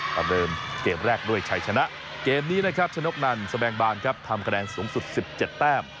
ประเดิมเกมแรกด้วยชัยชนะเกมนี้นะครับชนกนันสแบงบานครับทำคะแนนสูงสุด๑๗แต้ม